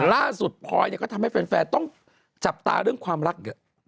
ล่าสุดพลอยก็ทำให้แฟนต้องจับตาเรื่องความรักเยอะ